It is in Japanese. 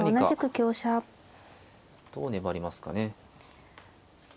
どう粘りますかね。